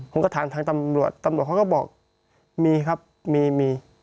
ผมก็ถามทางตำรวจตำรวจเขาก็บอกมีครับมีมี